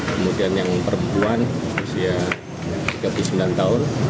kemudian yang perempuan usia tiga puluh sembilan tahun usia dua puluh delapan tahun